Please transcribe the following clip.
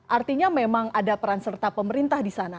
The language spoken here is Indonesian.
artinya memang ada peran serta pemerintah di sana